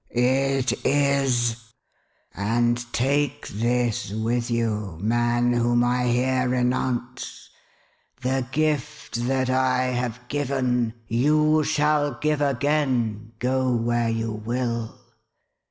"Ix is. And take this with you, man whom I here re nounce ! The gift that I have given, you shall give again, go where you will.